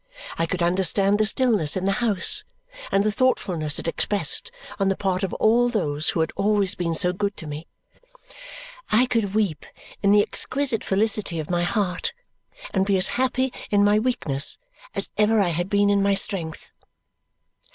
I could understand the stillness in the house and the thoughtfulness it expressed on the part of all those who had always been so good to me. I could weep in the exquisite felicity of my heart and be as happy in my weakness as ever I had been in my strength.